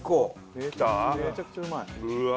めちゃくちゃうまいうわ